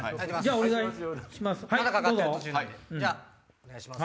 お願いします。